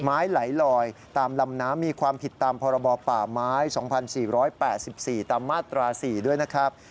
ไม้ไหลลอยตามลำน้ำมีความผิดตามพรบป่าไม้๒๔๘๔ตามมาตรา๔ด้วยนะครับ